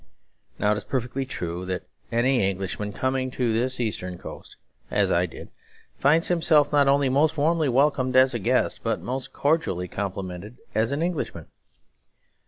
Now it is perfectly true that any Englishman coming to this eastern coast, as I did, finds himself not only most warmly welcomed as a guest, but most cordially complimented as an Englishman.